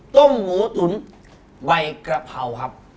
ต้มหมูตุ๋นใบกระเพราครับ